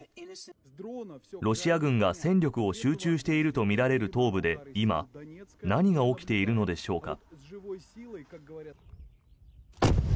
ロシア軍が戦力を集中しているとみられる東部で今、何が起きているのでしょうか。